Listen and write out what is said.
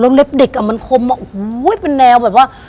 เล็บเด็กอ่ะมันคมมาโอ้โหเป็นแนวแบบว่า